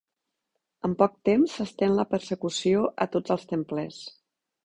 En poc temps s'estén la persecució a tots els templers.